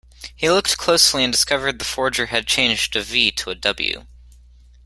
He looked closely and discovered the forger had changed a V to a W.